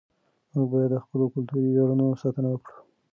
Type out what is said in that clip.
موږ باید د خپلو کلتوري ویاړونو ساتنه وکړو.